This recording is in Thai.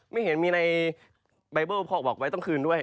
ไม่เห็นมีในใบเบิ้ลพอบอกไว้ต้องคืนด้วย